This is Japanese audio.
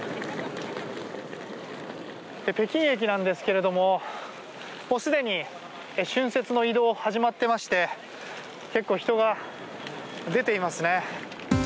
北京駅なんですがすでに春節の移動始まっていまして結構、人が出ていますね。